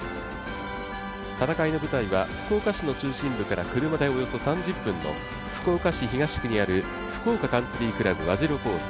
戦いの舞台は福岡市の中心部から車でおよそ３０分の福岡市東区にある福岡カンツリー倶楽部和白コース